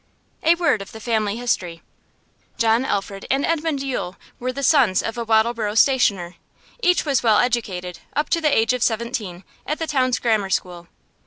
A word of the family history. John, Alfred, and Edmund Yule were the sons of a Wattleborough stationer. Each was well educated, up to the age of seventeen, at the town's grammar school.